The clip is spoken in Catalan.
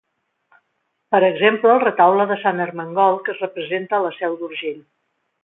Per exemple el Retaule de Sant Ermengol que es representa a La Seu d'Urgell.